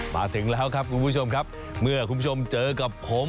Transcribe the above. มาถึงแล้วครับคุณผู้ชมครับเมื่อคุณผู้ชมเจอกับผม